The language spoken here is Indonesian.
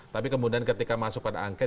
tapi kemudian ketika masuk pada angket